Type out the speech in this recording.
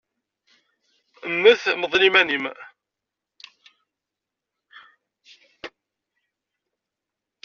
Mmet, mḍel iman-im.